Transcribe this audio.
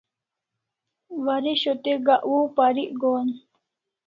Waresho te gak waw parik gohan